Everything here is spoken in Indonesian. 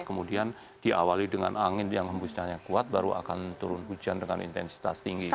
kemudian diawali dengan angin yang hembusnya kuat baru akan turun hujan dengan intensitas tinggi